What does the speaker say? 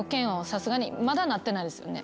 さすがにまだなってないですよね？